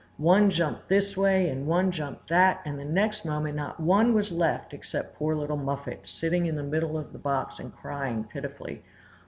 One jumped this way, and one jumped that; and the next moment not one was left except poor little Muffet, sitting in the middle of the box and crying pitifully.